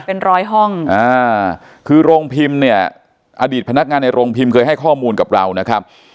เป็นร้อยห้องอ่าคือโรงพิมพ์เนี่ยอดีตพนักงานในโรงพิมพ์เคยให้ข้อมูลกับเรานะครับ